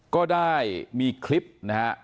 ก็ได้มีคลิปนะฮะ